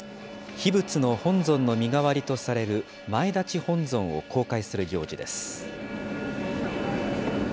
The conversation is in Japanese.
秘仏の本尊の身代わりとされる前立本尊を公開する行事です。